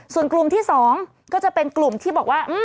ส่วนกลุ่มที่๒ก็จะเป็นกลุ่มที่บอกว่า